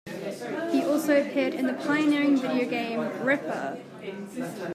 He also appeared in the pioneering video game "Ripper".